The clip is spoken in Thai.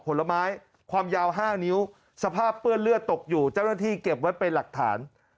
ผลไม้ความยาว๕นิ้วสภาพเปื้อนเลือดตกอยู่เจ้าหน้าที่เก็บไว้เป็นหลักฐาน